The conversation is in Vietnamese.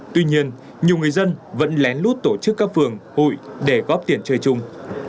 tuy nhiên nhiều người dân vẫn lén lút tổ chức các phường hội để góp tiền chơi chung